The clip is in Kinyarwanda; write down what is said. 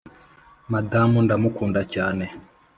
madamu ndamukunda cyane,